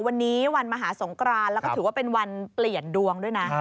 วันนี้วันมหาสงกรานแล้วก็ถือว่าเป็นวันเปลี่ยนดวงด้วยนะ